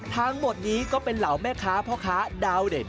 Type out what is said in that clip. ทั้งหมดนี้ก็เป็นเหล่าแม่ค้าพ่อค้าดาวเด็ด